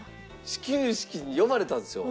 始球式に呼ばれたんですよ。